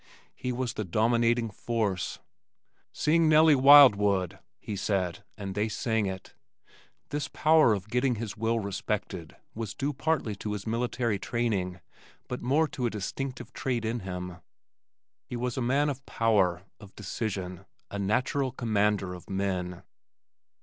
He was the dominating force. "Sing 'Nellie Wildwood,'" he said, and they sang it. This power of getting his will respected was due partly to his military training but more to a distinctive trait in him. He was a man of power, of decision, a natural commander of men.